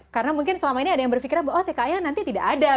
karena mungkin selama ini ada yang berpikiran bahwa tke nya nanti tidak ada